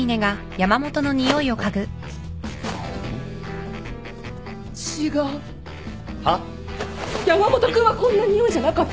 山本君はこんな匂いじゃなかった。